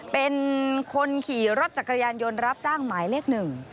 เป็นคนขี่รถจักรยานยนต์รับจ้างหมายเลขหนึ่ง